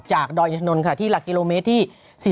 จากดอยในถนนค่ะที่หลักกิโลเมตรที่๔๕๔๖